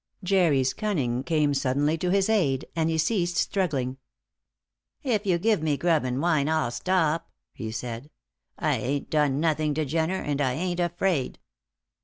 Jerry's cunning came suddenly to his aid, and he ceased struggling. "If you give me grub and wine I'll stop," he said. "I ain't done nothing to Jenner; and I ain't afraid."